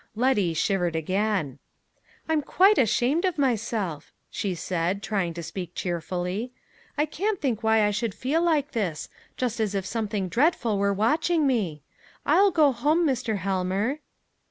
Letty shivered again. "I'm quite ashamed of myself," she said, trying to speak cheerfully. "I can't think why I should feel like this just as if something dreadful were watching me! I'll go home, Mr. Helmer.".